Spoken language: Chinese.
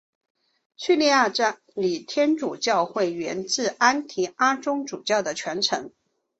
叙利亚礼天主教会源自安提阿宗主教的传承。